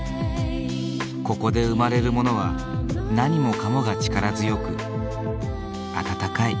ここで生まれるものは何もかもが力強く温かい。